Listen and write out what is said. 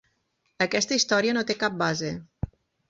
Aquesta història no té cap base.